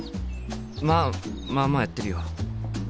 まあまあまあやってるよ。